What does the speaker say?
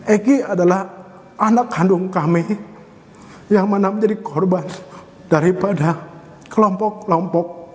egy adalah anak kandung kami yang mana menjadi korban daripada kelompok kelompok